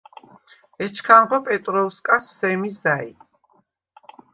ეჩქანღო პეტროუ̂სკას სემი ზა̈ჲ.